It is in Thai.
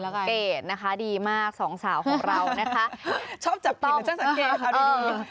ส่างเกดนะคะดีมากสองสาวของเรานะคะชอบจับผิดหรอฝั่งสังเกต